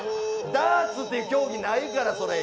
ダーツっていう競技ないから！